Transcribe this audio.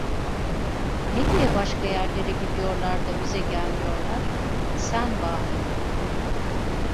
Ne diye başka yerlere gidiyorlar da bize gelmiyorlar? Sen bağır!